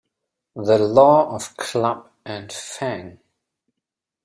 The Law of Club and Fang